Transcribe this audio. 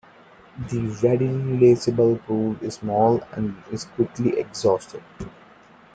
The readily releasable pool is small and is quickly exhausted.